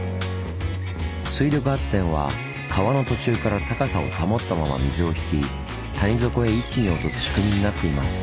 水力発電は川の途中から高さを保ったまま水を引き谷底へ一気に落とす仕組みになっています。